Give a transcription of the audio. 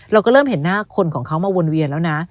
เราก็เริ่มเห็นหน้าคนของเขามาวนเวียนแล้วนะ